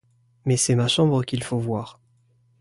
Mais c’est ma chambre qu’il faut voir.